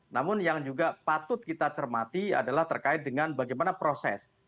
namun yang juga patut kita cermati adalah terkait dengan bagaimana proses